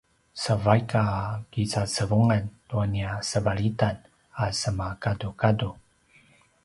sa vaik a kicacevungan tua nia sevalitan a semagadugadu